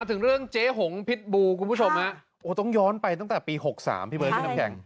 ถึงเรื่องเจ๊หงพิษบูคุณผู้ชมฮะโอ้ต้องย้อนไปตั้งแต่ปี๖๓พี่เบิร์พี่น้ำแข็ง